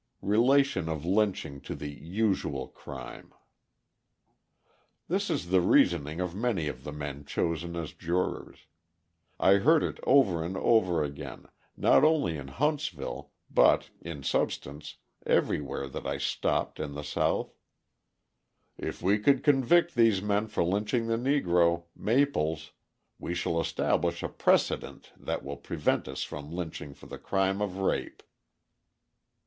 Relation of Lynching to the "Usual Crime" This is the reasoning of many of the men chosen as jurors; I heard it over and over again, not only in Huntsville but, in substance, everywhere that I stopped in the South: "If we convict these men for lynching the Negro, Maples, we shall establish a precedent that will prevent us from lynching for the crime of rape."